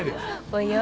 およ。